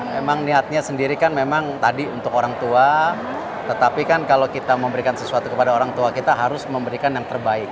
memang niatnya sendiri kan memang tadi untuk orang tua tetapi kan kalau kita memberikan sesuatu kepada orang tua kita harus memberikan yang terbaik